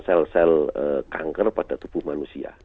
sel sel kanker pada tubuh manusia